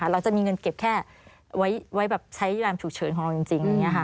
เราจะมีเงินเก็บแค่ไว้ใช้ยามฉุกเฉินของเราจริง